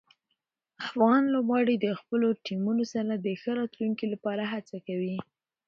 افغان لوبغاړي د خپلو ټیمونو سره د ښه راتلونکي لپاره هڅه کوي.